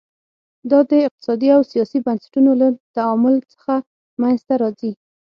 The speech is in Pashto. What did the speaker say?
دا د اقتصادي او سیاسي بنسټونو له تعامل څخه منځته راځي.